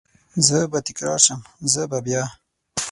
زه به تکرار شم، زه به بیا،